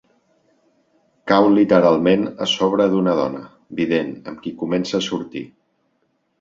Cau literalment a sobre d'una dona, vident, amb qui comença a sortir.